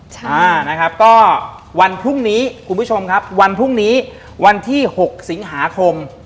ใช่นะครับคุณผู้ชมครับวันพรุ่งนี้วันที่๖สิงหาคม